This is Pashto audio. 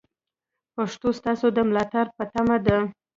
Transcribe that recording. پښتو ستاسو د ملاتړ په تمه ده.